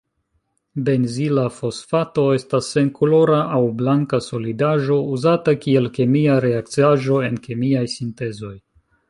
Benzila fosfato estas senkolora aŭ blanka solidaĵo, uzata kiel kemia reakciaĵo en kemiaj sintezoj.